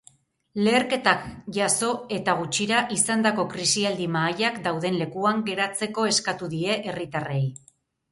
Leherketak jazo eta gutxira izandako krisialdi mahaiak dauden lekuan geratzeko eskatu die herritarrei.